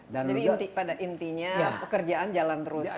jadi pada intinya pekerjaan jalan terus